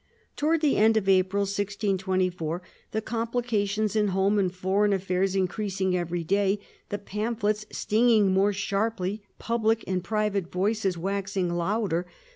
Towards the end of April, 1624, the complications in home and foreign affairs increasing every day, the pam phlets stinging more sharply, public and private voices waxing louder.